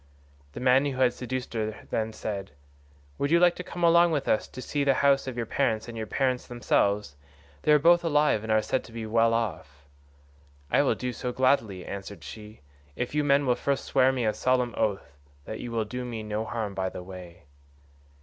"The man who had seduced her then said, 'Would you like to come along with us to see the house of your parents and your parents themselves? They are both alive and are said to be well off.' "'I will do so gladly,' answered she, 'if you men will first swear me a solemn oath that you will do me no harm by the way.